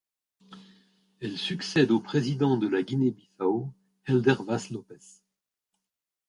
Elle succède au président de la Guinée-Bissau Hélder Vaz Lopes.